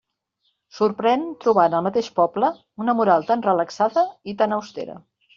Sorprèn trobar en el mateix poble una moral tan relaxada i tan austera.